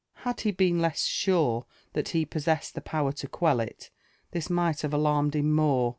Had he been less sure that he possessed the power to quell it, thifl might have alarmed him more.